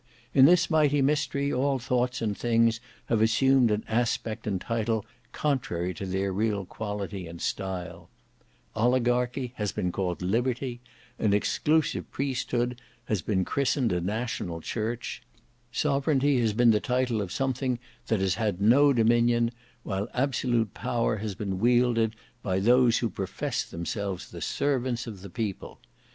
In this mighty mystery all thoughts and things have assumed an aspect and title contrary to their real quality and style: Oligarchy has been called Liberty; an exclusive Priesthood has been christened a National Church; Sovereignty has been the title of something that has had no dominion, while absolute power has been wielded by those who profess themselves the servants of the People.